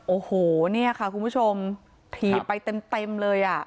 โอ้โหเนี่ยค่ะคุณผู้ชมถีบไปเต็มเลยอ่ะ